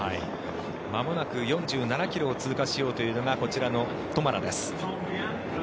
まもなく４７ｋｍを通過しようというのがこちらのトマラです。